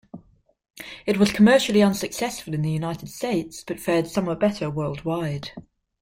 It was commercially unsuccessful in the United States, but fared somewhat better worldwide.